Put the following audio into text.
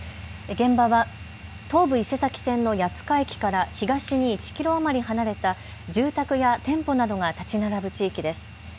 現場は東武伊勢崎線の谷塚駅から東に１キロ余り離れた住宅や店舗などが建ち並ぶ地域です。